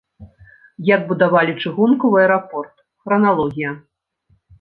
Як будавалі чыгунку ў аэрапорт, храналогія.